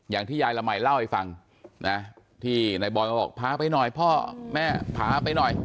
อย่างที่ยายละมัยเล่าให้ฟังนะที่นายบอยมาบอกพาไปหน่อยพ่อแม่พาไปหน่อย